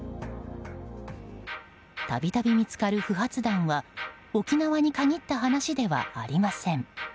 度々見つかる不発弾は沖縄に限った話ではありません。